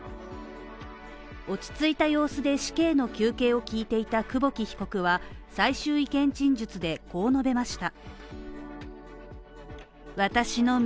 落ち着いた様子で死刑の求刑を聞いていた久保木被告は最終意見陳述で、こう述べました。